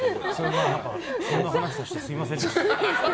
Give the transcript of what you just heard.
その話をしてすみませんでした。